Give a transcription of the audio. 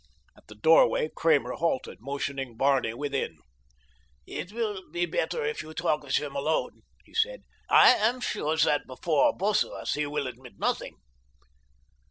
At the doorway Kramer halted, motioning Barney within. "It will be better if you talk with him alone," he said. "I am sure that before both of us he will admit nothing."